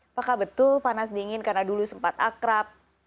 apakah betul panas dingin karena dulu sempat akrab